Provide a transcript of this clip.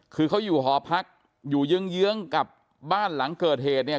คือเขาอยู่หอพักอยู่เยื้องกับบ้านหลังเกิดเหตุเนี่ย